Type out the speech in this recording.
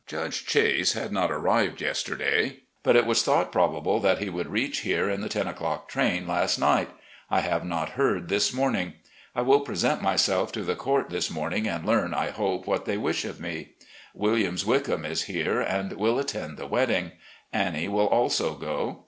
Judge Chase had not arrived yesterday, but it was thought probable he would reach here in the ten o'clock train last night. I have not heard this morning. I will present myself to the court this morning, and learn, I hope, what they wish of me. Williams Wickham is here, and will attend the wedding. Annie will also go.